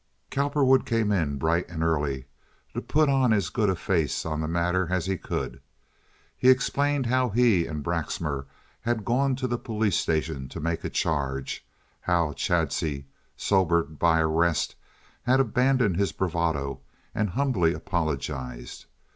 Cowperwood came in bright and early to put as good a face on the matter as he could. He explained how he and Braxmar had gone to the police station to make a charge; how Chadsey, sobered by arrest, had abandoned his bravado and humbly apologized.